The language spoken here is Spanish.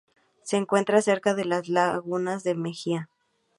Se encuentra cerca de las lagunas de Mejía.